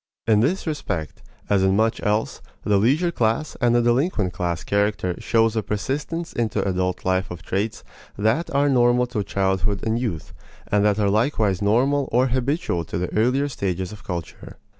In this respect, as in much else, the leisure class and the delinquent class character shows a persistence into adult life of traits that are normal to childhood and youth, and that are likewise normal or habitual to the earlier stages of culture.